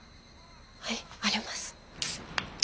はいあります。